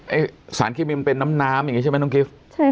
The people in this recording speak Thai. สารเคมีมันเป็นน้ำน้ำอย่างนี้ใช่ไหมน้องกิฟต์